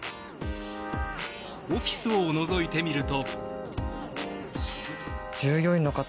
オフィスをのぞいてみると。